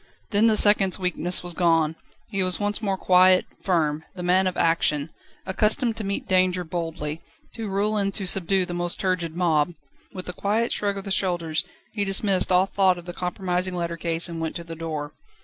Then the second's weakness was gone; he was once more quiet, firm, the man of action, accustomed to meet danger boldly, to rule and to subdue the most turgid mob. With a quiet shrug of the shoulders, he dismissed all thought of the compromising lettercase, and went to the door.